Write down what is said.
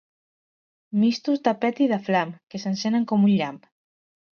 Mistos de pet i de flam, que s'encenen com un llamp.